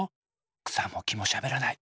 くさもきもしゃべらない。